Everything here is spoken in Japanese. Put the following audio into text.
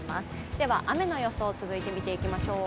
では、雨の予想続いて見ていきましょう。